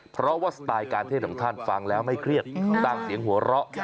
เพราะว่าสไตล์การเทศของท่านฟังแล้วไม่เครียดสร้างเสียงหัวเราะ